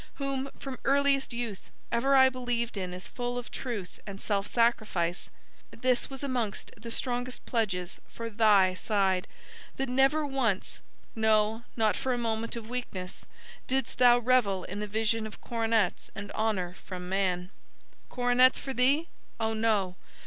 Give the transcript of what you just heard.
whom, from earliest youth, ever I believed in as full of truth and self sacrifice, this was amongst the strongest pledges for thy side, that never once no, not for a moment of weakness didst thou revel in the vision of coronets and honor from man. Coronets for thee! O no!